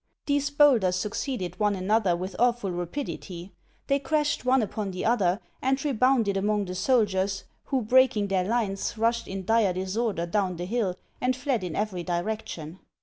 These bowlders succeeded one another with awful ra pidity ; they crashed one upon the other, and rebounded among the soldiers, who breaking their lines rushed in dire disorder down the hill, and tied in every direction.